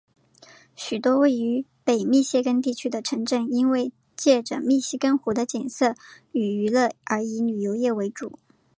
许多位于北密西根地区的城镇因为藉着密西根湖的景色与娱乐而以旅游业为主。